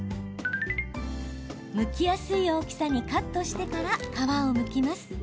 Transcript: むきやすい大きさにカットしてから皮をむきます。